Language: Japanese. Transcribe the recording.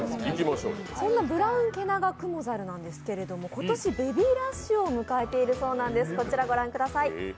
そんなブラウンケナガクモザルなんですけれども、今年ベビーラッシュを迎えているそうなんです。